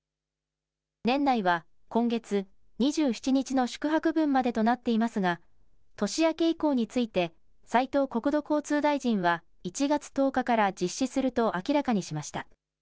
年内は今月２７日の宿泊分までとなっていますが年明け以降について斉藤国土交通大臣は１月１０日から実施すると明らかにしました。